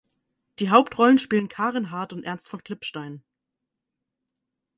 Die Hauptrollen spielen Karin Hardt und Ernst von Klipstein.